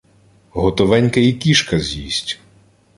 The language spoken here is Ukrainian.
Готовеньке і кішка з’їсть.